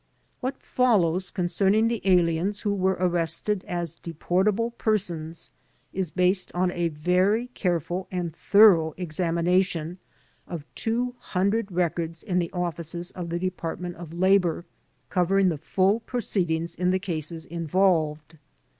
What follows concerning the aliens who were arrested as deportable persons is based on a very careful and thorough examination of two hundred records in the offices of the Department of Labor, covering the full proceedings in the cases involved.